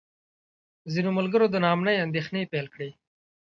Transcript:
ځینو ملګرو د نا امنۍ اندېښنې پیل کړې.